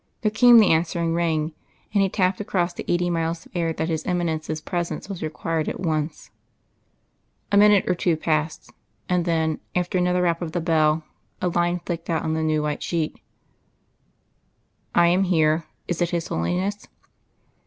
There came the answering ring, and he tapped across the eighty miles of air that his Eminence's presence was required at once. A minute or two passed, and then, after another rap of the bell, a line flicked out on the new white sheet. "'I am here. Is it his Holiness?